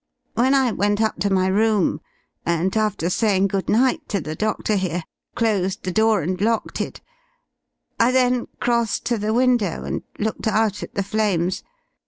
When I went up to my room, and after saying good night to the doctor here, closed the door and locked it, I then crossed to the window and looked out at the flames.